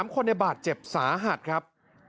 ๓คนในบาดเจ็บสาหัสครับ